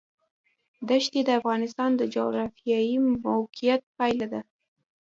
دښتې د افغانستان د جغرافیایي موقیعت پایله ده.